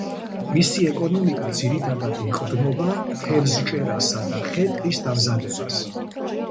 მისი ეკონომიკა ძირითადად ეყრდნობა თევზჭერასა და ხე-ტყის დამზადებას.